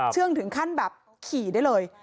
เชื่องถึงขั้นแบบขี่ได้เลย